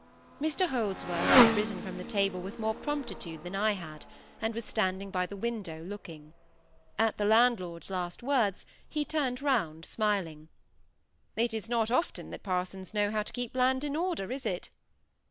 Mr Holdsworth had risen from the table with more promptitude than I had, and was standing by the window, looking. At the landlord's last words, he turned round, smiling,—"It is not often that parsons know how to keep land in order, is it?"